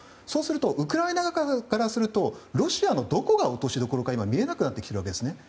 そうするとウクライナ側からするとロシアのどこが落としどころか今、見えなくなっているんです。